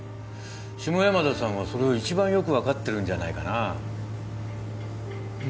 下山田さんはそれを一番よく分かってるんじゃないかなね